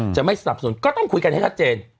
จะไม่สนับสนุนก็ต้องคุยกันให้ชัดเจน